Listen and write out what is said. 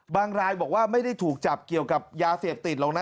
รายบอกว่าไม่ได้ถูกจับเกี่ยวกับยาเสพติดหรอกนะ